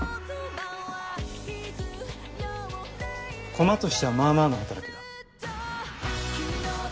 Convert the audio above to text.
コマとしてはまあまあの働きだ。